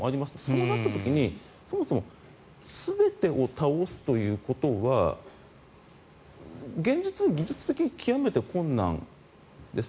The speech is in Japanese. そうなった時にそもそも全てを倒すということは現実、技術的に極めて困難です。